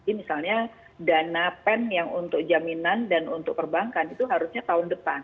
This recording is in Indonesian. jadi misalnya dana pen yang untuk jaminan dan untuk perbankan itu harusnya tahun depan